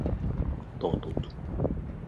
— Кто тут?